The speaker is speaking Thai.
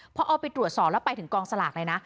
พอเอาไปตรวจสอบแล้วไปถึงกองสลากเลยนะ